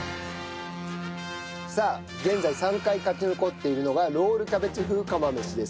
さあ現在３回勝ち残っているのがロールキャベツ風釜飯です。